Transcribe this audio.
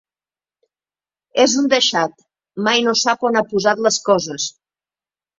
És un deixat: mai no sap on ha posat les coses.